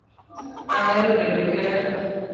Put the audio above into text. Ahero bedo kenda